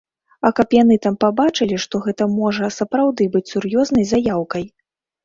А каб яны там пабачылі, што гэта можа сапраўды быць сур'ёзнай заяўкай.